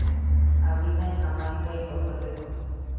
Habita en Jamaica y Puerto Rico.